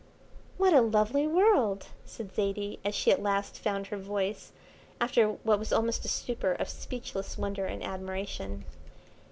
"What a lovely world!" said Zaidie, as she at last found her voice after what was almost a stupor of speechless wonder and admiration.